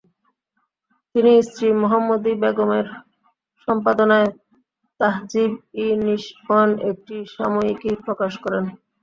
তিনি স্ত্রী মুহাম্মদি বেগমের সম্পাদনায় তাহজিব-ই-নিসওয়ান একটি সাময়িকী প্রকাশ করেন।